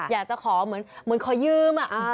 อยากจะขอเหมือนขอยืม